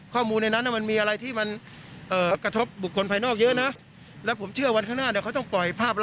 ข้อมูลในนั้นมันมีอะไรที่มันกระทบบุคคลภายนอกเยอะนะ